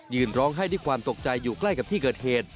ร้องไห้ด้วยความตกใจอยู่ใกล้กับที่เกิดเหตุ